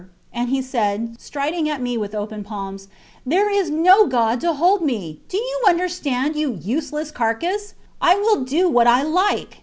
And he said, striding at me with open palms: There is no God to hold me! Do you understand, you useless carcase. I will do what I like.